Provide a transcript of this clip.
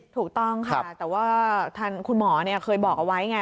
ถูกต้องค่ะแต่ว่าทางคุณหมอเคยบอกเอาไว้ไง